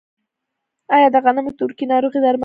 آیا د غنمو تورکي ناروغي درملنه لري؟